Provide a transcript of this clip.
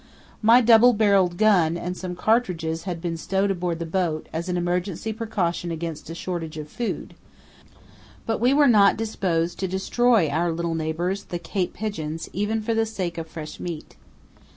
My double barrelled gun and some cartridges had been stowed aboard the boat as an emergency precaution against a shortage of food, but we were not disposed to destroy our little neighbours, the Cape pigeons, even for the sake of fresh meat.